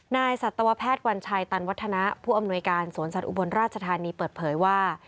สัตวแพทย์วัญชัยตันวัฒนะผู้อำนวยการสวนสัตว์อุบลราชธานีเปิดเผยว่า